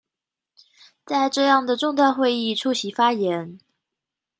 在這樣的重大會議出席發言